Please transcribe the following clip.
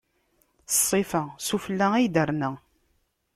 Ṣṣifa, s ufella ay d-terna.